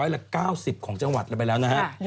๑๐๐ละ๙๐ของจังหวัดไปแล้วนะฮะ